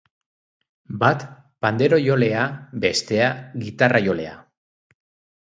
Bat panderojolea, bestea gitarrajolea.